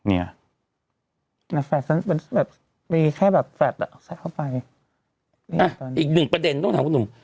อีกหนึ่งประเด็นต้องถามคุณหนุ่ม